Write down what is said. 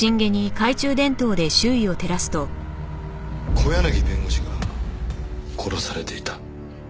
小柳弁護士が殺されていた。